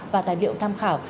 và tài liệu tham khảo